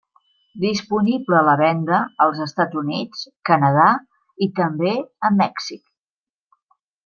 Disponible a la venda als Estats Units, Canada i també a Mèxic.